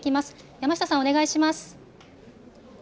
山下さん、お願いします。